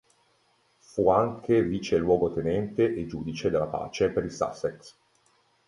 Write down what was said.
Fu anche vice luogotenente e giudice della pace per il Sussex.